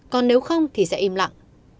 còn nếu không thì sẽ im lặng